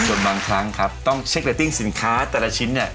ส่วนบางครั้งครับต้องเช็คเรตติ้งสินค้าแต่ละชิ้นเนี่ย